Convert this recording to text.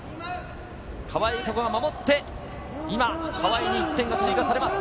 川井友香子が守って、今、川井に１点が追加されます。